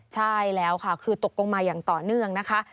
ใช่แล้วค่ะคือตกลงมาอย่างต่อเนื่องนะคะ